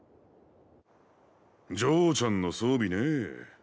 嬢ちゃんの装備ねえ。